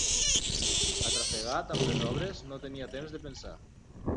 Atrafegat amb les obres, no tenia temps de pensar